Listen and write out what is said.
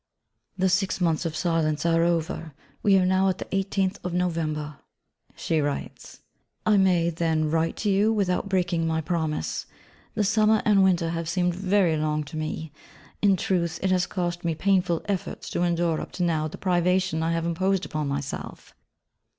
'The six months of silence are over: we are now at the 18th of November,' she writes: I may, then, write to you, without breaking my promise. The summer and winter have seemed very long to me: in truth, it has cost me painful efforts to endure up to now the privation I have imposed upon myself.